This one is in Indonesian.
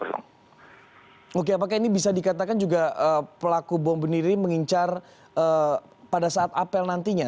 oke apakah ini bisa dikatakan juga pelaku bom bunuh diri mengincar pada saat apel nantinya